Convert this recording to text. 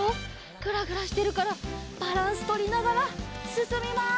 グラグラしてるからバランスとりながらすすみます。